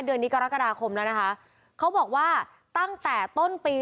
เดือนนี้กรกฎาคมแล้วนะคะเขาบอกว่าตั้งแต่ต้นปี